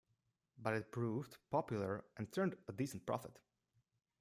But it proved popular and turned a decent profit.